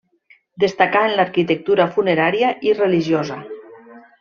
Destacà en l'arquitectura funerària i religiosa.